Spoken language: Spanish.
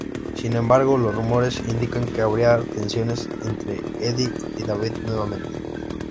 Sin embargo, los rumores indican que habría tensiones entre Eddie y David nuevamente.